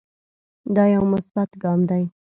دا يو مثبت ګام دے